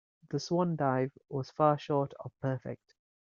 The swan dive was far short of perfect.